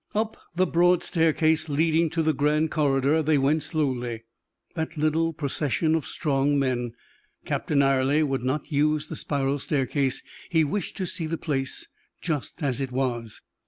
Up the broad staircase leading to the grand corridor they went slowly, that little procession of strong men. Captain Ayrley would not use the spiral staircase, he wished to see the place just as it was.